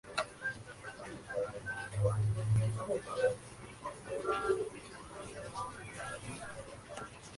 Presenta lista malar blanca enmarcada con negro y garganta blanca.